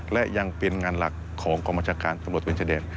และยังเป็นงานหลักของกองบัญชาการตำรวจเว้นชายแดน